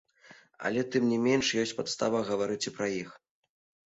Але, тым не менш, ёсць падстава гаварыць і пра іх.